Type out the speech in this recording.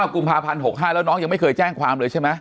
กุมภาพันธ์๖๕แล้วน้องยังไม่เคยแจ้งความเลยใช่ไหม